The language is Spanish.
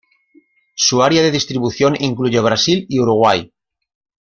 Su área de distribución incluye Brasil y Uruguay.